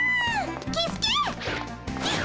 キスケ！